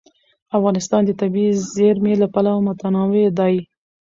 افغانستان د طبیعي زیرمې له پلوه متنوع دی.